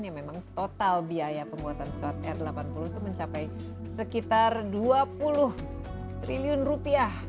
yang memang total biaya pembuatan pesawat r delapan puluh itu mencapai sekitar dua puluh triliun rupiah